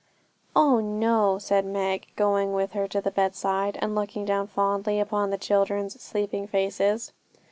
'Oh no,' said Meg, going with her to the bedside, and looking down fondly upon the children's sleeping faces.